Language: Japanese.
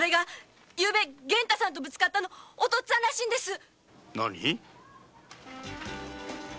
源太さんとぶっつかったのはお父っつぁんらしいんです。